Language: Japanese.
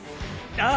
ああ！！